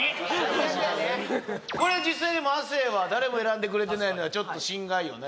これ実際にも亜生は誰も選んでくれてないのはちょっと心外よね